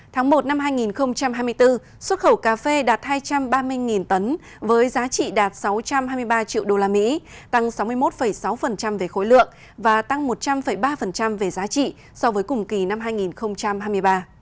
tháng một năm hai nghìn hai mươi bốn xuất khẩu cà phê đạt hai trăm ba mươi tấn với giá trị đạt sáu trăm hai mươi ba triệu usd tăng sáu mươi một sáu về khối lượng và tăng một trăm linh ba về giá trị so với cùng kỳ năm hai nghìn hai mươi ba